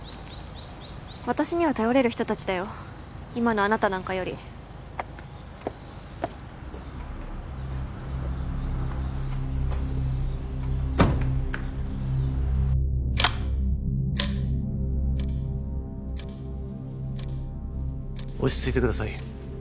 私には頼れる人達だよ今のあなたなんかより落ち着いてください